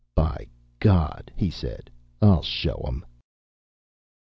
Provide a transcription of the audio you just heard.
"By God," he said, "I'll show 'em!"